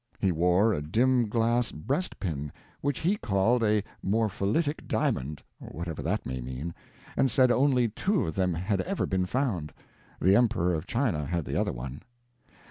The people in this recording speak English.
He wore a dim glass breastpin, which he called a "morphylitic diamond" whatever that may mean and said only two of them had ever been found the Emperor of China had the other one.